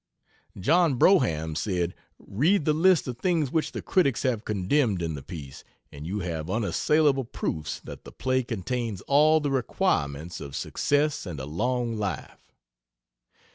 John Brougham said, "Read the list of things which the critics have condemned in the piece, and you have unassailable proofs that the play contains all the requirements of success and a long life."